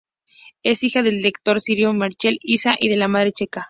Es hija del director sirio Michel Issa y de madre checa.